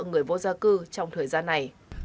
người vô gia cư trong thời gian này